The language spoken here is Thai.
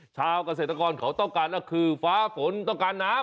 ชาวเกษตรกรขอต้องการคือฟ้าฝนต้องการนะครับ